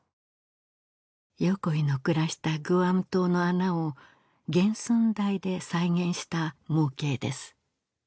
横井の暮らしたグアム島の穴を原寸大で再現した模型です